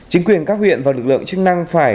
chính quyền các huyện và lực lượng chức năng phải